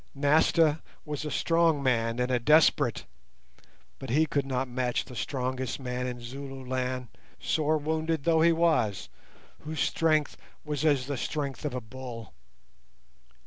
Nasta was a strong man and a desperate, but he could not match the strongest man in Zululand, sore wounded though he was, whose strength was as the strength of a bull.